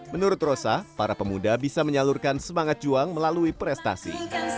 menurut rosa para pemuda bisa menyalurkan semangat juang melalui prestasi